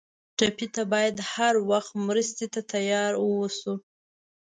ټپي ته باید هر وخت مرستې ته تیار ووسو.